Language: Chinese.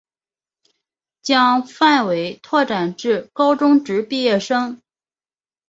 将范围拓展至高中职毕业生